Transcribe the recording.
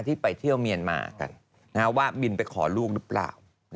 ไปเที่ยวเมียนมากันว่าบินไปขอลูกหรือเปล่า